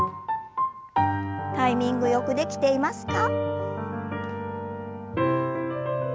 タイミングよくできていますか？